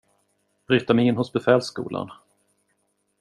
Bryta mig in hos befälsskolan